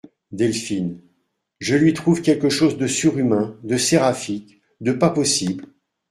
Delphine Je lui trouve quelque chose de surhumain, de séraphique, de pas possible !